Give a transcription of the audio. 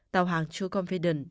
tàu hàng choconfident